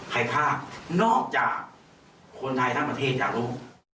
ใครฆ่านอกจากคนไทยธรรมเทศและดังนั่น